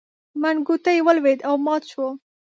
منګوټی ولوېد او مات شو.